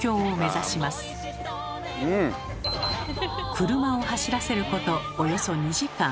車を走らせることおよそ２時間。